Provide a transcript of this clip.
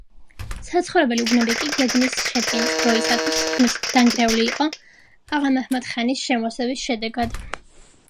საცხოვრებელი უბნები კი გეგმის შედგენის დროისათვის თითქმის დანგრეული იყო აღა-მაჰმად-ხანის შემოსევის შედეგად.